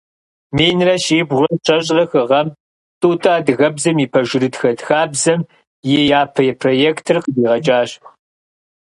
Минрэ щибгъурэ щэщӏрэ хы гъэм Тӏутӏэ адыгэбзэм и пэжырытхэ хабзэм и япэ проектыр къыдигъэкӏащ.